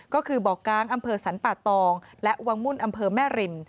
ก็คือบ่อก้างอำเภอสรรป่าตองและวังมุ่นอำเภอแม่ริม